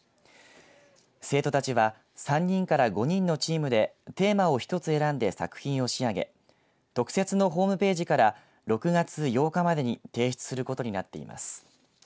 生徒たちは３人から５人のチームでテーマを１つ選んで作品を仕上げ特設のホームページから６月８日までに提出することになっています。